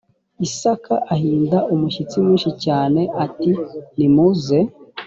isaka ahinda umushyitsi mwinshi cyane ati nimuze